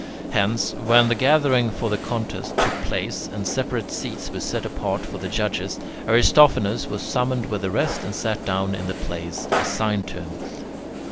Hence, when the gathering for the contests took place, and separate seats were set apart for the judges, Aristophanes was summoned with the rest, and sat down in the place assigned to him.